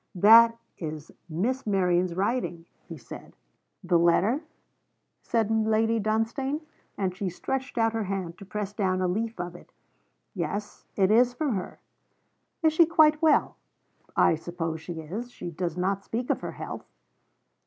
'That is Miss Merion's writing,' he said. 'The letter?' said Lady Dunstane, and she stretched out her hand to press down a leaf of it. 'Yes; it is from her.' 'Is she quite well?' 'I suppose she is. She does not speak of her health.'